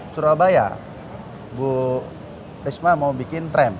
surabaya bu risma mau bikin tram